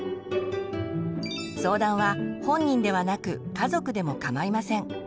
相談は本人ではなく家族でもかまいません。